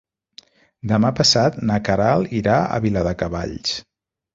Demà passat na Queralt irà a Viladecavalls.